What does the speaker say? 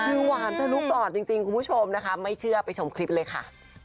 ทั้งสี่หวานทั้งลูกหลอดจริงคุณผู้ชมนะครับไม่เชื่อไปชมคลิปเลยค่ะ